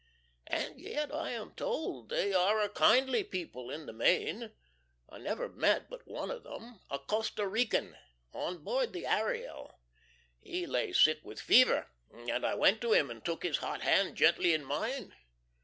And yet I am told they are a kindly people in the main. I never met but one of them a Costa Rican; on board the Ariel. He lay sick with fever, and I went to him and took his hot hand gently in mine.